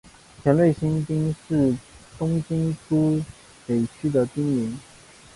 田端新町是东京都北区的町名。